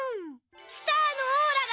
スターのオーラが。